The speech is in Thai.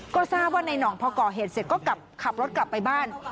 ก็ทราบว่าในห่องพอก่อเหตุเสร็จก็กลับขับรถกลับไปบ้าน